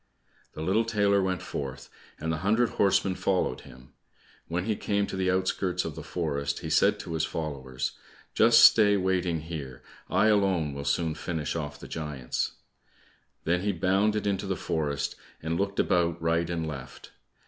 The little tailor went forth, and the hundred horsemen followed him. When he came to the outskirts of the forest, he said to his followers, "Just stay waiting here, I alone will soon finish off the giants." Then he bounded into the forest and looked about right and left.